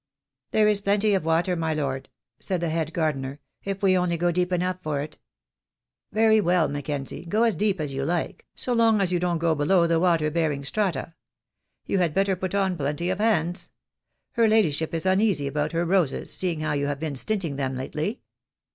"There is plenty of water, my lord," said the head gardener, "if we only go deep enough for it." "Very well, Mackenzie, go as deep as you like, so l60 THE DAY WILL COME. long as you don't go below the water bearing strata. You had better put on plenty of hands. Her ladyship is uneasy about her roses, seeing how you have been stint ing them lately."